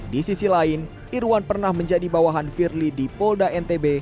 di sisi lain irwan pernah menjadi bawahan firly di polda ntb